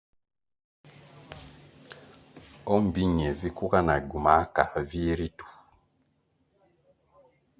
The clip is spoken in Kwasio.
O mbpi ñie vi kuga na gywumā kāa vih ritu.